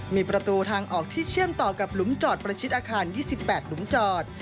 มีประตูทางออกที่เชื่อมต่อกับหลุมจอดประชิดอาคาร๒๘หลุมจอด